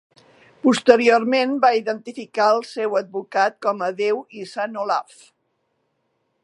Posteriorment va identificar el seu advocat com a Déu i San Olaf.